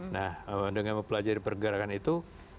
nah dengan mempelajari pergerakan itu